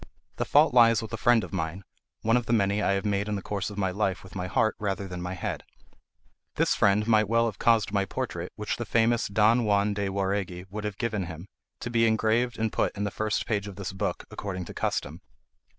The fault lies with a friend of mine—one of the many I have made in the course of my life with my heart rather than my head. This friend might well have caused my portrait, which the famous Don Juan de Jauregui would have given him, to be engraved and put in the first page of this book, according to custom.